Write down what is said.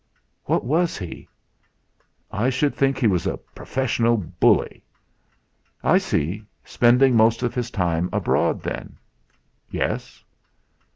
"What was he?" "I should think he was a professional 'bully.'. "I see. Spending most of his time abroad, then?" "Yes."